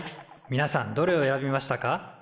みなさんどれを選びましたか？